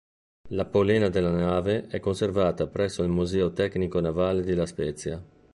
La polena della nave è conservata presso il Museo tecnico navale di La Spezia.